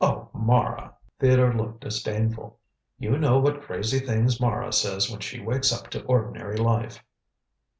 "Oh, Mara!" Theodore looked disdainful. "You know what crazy things Mara says when she wakes up to ordinary life."